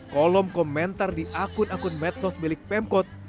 kolom komentar di akun akun medsos milik pemkot